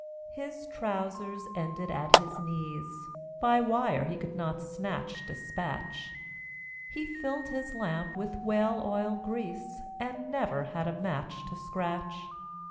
His trousers ended at his knees; By wire he could not snatch dispatch; He filled his lamp with whale oil grease, And never had a match to scratch.